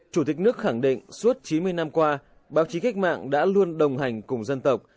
chủ tịch nước khẳng định suốt chín mươi năm qua báo chí cách mạng đã luôn đồng hành cùng dân tộc